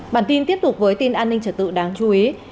bản tin tiếp tục với tin an ninh trở tự đáng chú ý